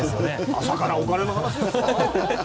朝からお金の話ですか？